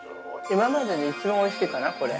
◆今までで一番おいしいかなこれ。